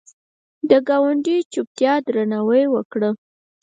د ګاونډي چوپتیا درناوی وکړه